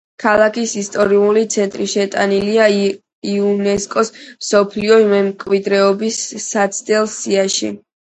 ქალაქის ისტორიული ცენტრი შეტანილია იუნესკოს მსოფლიო მემკვიდრეობის საცდელ სიაში.